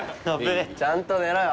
ちゃんと寝ろよ。